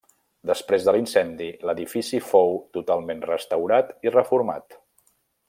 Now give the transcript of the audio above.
Després de l'incendi, l'edifici fou totalment restaurat i reformat.